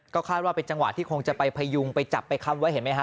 ก็คาดว่าเป็นจังหวะที่คงจะไปพยุงไปจับไปค้ำไว้เห็นไหมฮะ